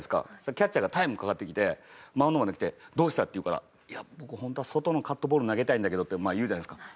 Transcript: キャッチャーがタイムかかってきてマウンドの方まで来て「どうした？」って言うから「僕本当は外のカットボール投げたいんだけど」って言うじゃないですか。